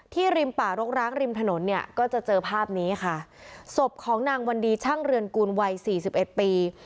ริมป่ารกร้างริมถนนเนี่ยก็จะเจอภาพนี้ค่ะศพของนางวันดีช่างเรือนกูลวัยสี่สิบเอ็ดปี